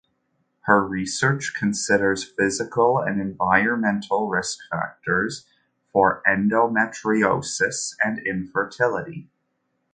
Her research considers physical and environmental risk factors for endometriosis and infertility.